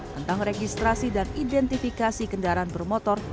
tentang registrasi dan identifikasi kendaraan bermotor